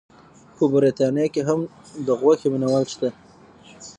په بریتانیا کې هم د غوښې مینه وال شته.